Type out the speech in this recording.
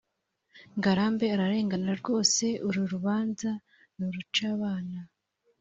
ngarambe ararengana rwose uru rubanza n’urucabana